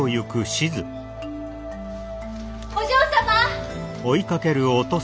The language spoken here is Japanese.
・お嬢様！